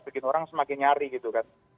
bikin orang semakin nyari gitu kan